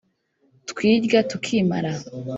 twirya tukimara